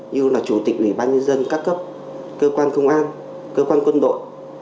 như là chủ tịch ủy ban nhân dân các cấp cơ quan công an cơ quan quân đội